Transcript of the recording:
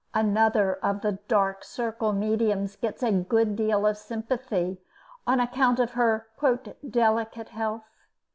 Another of the "Dark Circle" mediums gets a good deal of sympathy on account of her "delicate health."